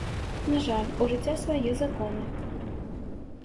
На жаль, у жыцця свае законы.